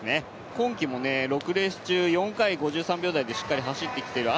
今季も６レース中４回、５３秒台でしっかり走ってきています。